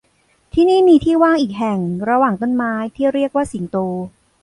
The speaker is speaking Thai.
ที่นี่มีที่ว่างอีกแห่งระหว่างต้นไม้ที่เรียกว่าสิงโต